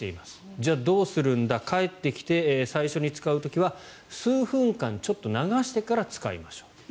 じゃあどうするんだ帰ってきて最初に使う時は数分間流してから使いましょうと。